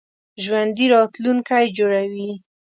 ژوندي راتلونکی جوړوي